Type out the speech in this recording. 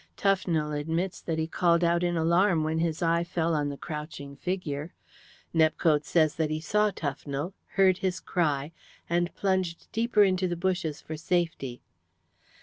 Tufnell admits that he called out in alarm when his eye fell on the crouching figure. Nepcote says that he saw Tufnell, heard his cry, and plunged deeper into the bushes for safety.